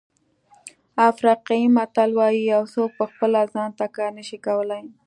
افریقایي متل وایي یو څوک په خپله ځان ته کار نه شي کولای.